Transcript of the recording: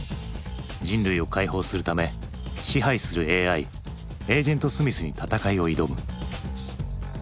人類を解放するため支配するＡＩエージェント・スミスに戦いを挑む。